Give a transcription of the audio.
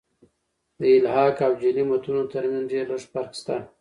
د الحاق او جعلي متونو ترمتځ ډېر لږ فرق سته.